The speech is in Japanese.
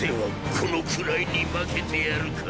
このくらいにまけてやるかのォ。